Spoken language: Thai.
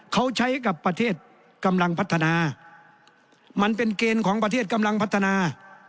เขาใช้กับประเทศกำลังพัฒนามันเป็นเกณฑ์ของประเทศกำลังพัฒนา